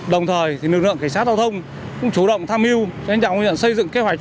đồng thời lực lượng cảnh sát thao thông cũng chủ động tham mưu cho anh đạo huyện xây dựng kế hoạch